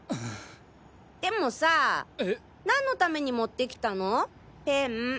でもさ何のために持って来たの？ペン。